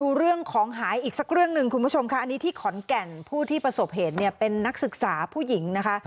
ดูเรื่องของหายอีกสักเรื่องหนึ่งคุณผู้ชมค่ะอันนี้ที่ขอนแก่นผู้ที่ประสบเหตุเนี่ยเป็นนักศึกษาผู้หญิงนะคะ